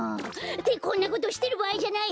ってこんなことしてるばあいじゃない。